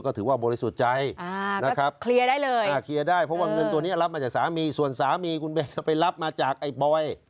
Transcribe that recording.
เคลียร์ได้เลยเคลียร์ได้เพราะว่าเงินตัวนี้รับมาจากสามีส่วนสามีคุณเบนจะไปรับมาจากไอ้บอย